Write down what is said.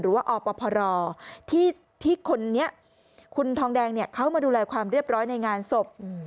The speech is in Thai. ว่าอพรที่คนนี้คุณทองแดงเขามาดูแลความเรียบร้อยในงานศพ